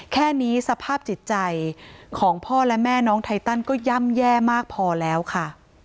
แค่นี้สภาพจิตใจของพ่อและแม่น้องไทตันก็ย่ำแย่มากพอแล้วค่ะ